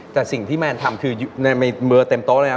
แต่สิ่งที่แมนทำคือในเบอร์เต็มโต๊ะเลยครับ